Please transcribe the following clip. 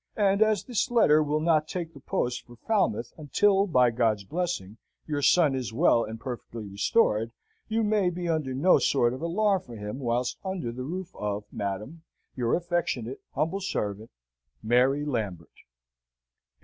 And, as this letter will not take the post for Falmouth until, by God's blessing, your son is well and perfectly restored, you need be under no sort of alarm for him whilst under the roof of, madam, your affectionate, humble servant, MARY LAMBERT.